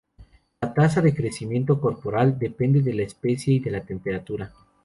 La tasa de crecimiento corporal depende de la especie y de la temperatura.